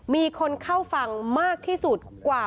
มีคนเข้าฟังมากที่สุดกว่า